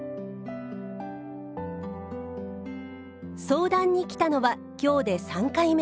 相談に来たのは今日で３回目。